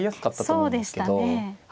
そうでしたね。